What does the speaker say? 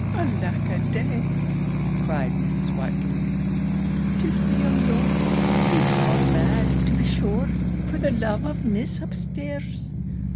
'Alack a day!' cried Mrs. Watkins, 'tis the young Lord. He is gone mad, to be sure, for the love of Miss up stairs!'